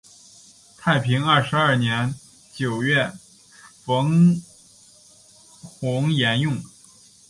太平二十二年九月冯弘沿用。